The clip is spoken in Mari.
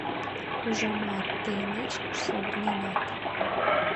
— Ужамат, тый нечкыш савырненат...